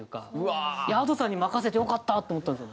Ａｄｏさんに任せてよかったって思ったんですよ。